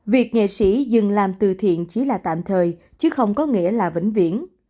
việc nghệ sĩ dừng làm từ thiện chỉ là tạm thời chứ không có nghĩa là vĩnh viễn